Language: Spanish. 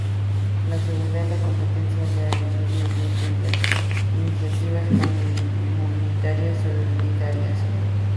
la seguridad, la competencia leal, el medio ambiente y las iniciativas comunitarias solidarias